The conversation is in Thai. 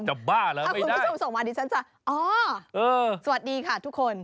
จะบ้าเหรอไม่ได้ถ้าคุณผู้ชมส่งมาดิฉันจะอ๋อสวัสดีค่ะทุกคน